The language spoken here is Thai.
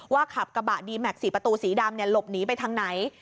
ขับกระบะดีแม็กซีประตูสีดำหลบหนีไปทางไหน